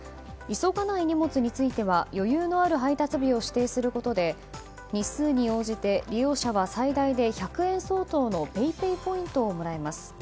急がない荷物については余裕のある配送日を指定することで日数に応じて利用者は最大で１００円相当のＰａｙＰａｙポイントをもらえます。